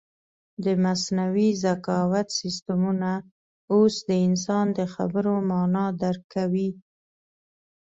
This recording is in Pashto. د مصنوعي ذکاوت سیسټمونه اوس د انسان د خبرو مانا درک کوي.